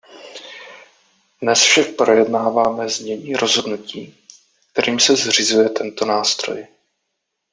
Dnes však projednáváme znění rozhodnutí, kterým se zřizuje tento nástroj.